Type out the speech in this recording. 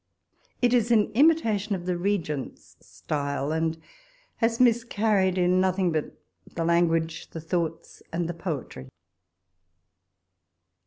It is in imitation of the Regent's style, and has miscarried in nothing but the language, the thoughts, and the poetry.